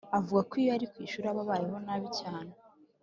avuga ko iyo ari kwishuri aba abayeho nabi cyane